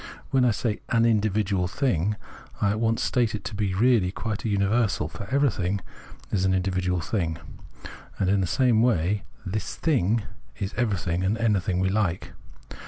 When I say "an individual thing," I at once state it to be really quite a universal, for everything is an individual thing : and in the same way " this thing " is everything and anything we like.